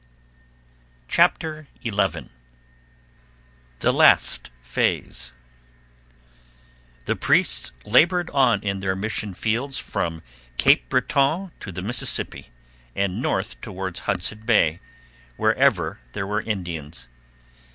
CHAPTER XI THE LAST PHASE The priests laboured on in their mission fields from Cape Breton to the Mississippi and north towards Hudson Bay, wherever there were Indians.